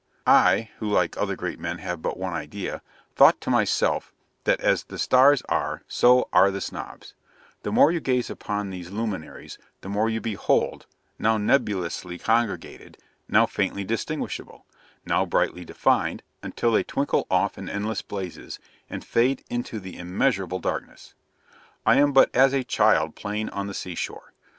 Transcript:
I (who, like other great men, have but one idea), thought to myself, that as the stars are, so are the Snobs: the more you gaze upon those luminaries, the more you behold now nebulously congregated now faintly distinguishable now brightly defined until they twinkle off in endless blazes, and fade into the immeasurable darkness. I am but as a child playing on the sea shore.